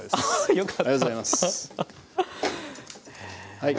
ありがとうございます。